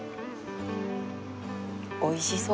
おいしそう。